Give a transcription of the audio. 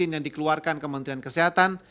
yang dikeluarkan kementerian kesehatan